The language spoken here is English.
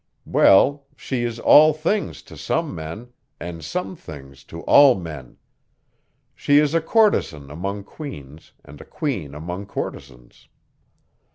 Well, she is all things to some men, and some things to all men. She is a courtesan among queens and a queen among courtesans.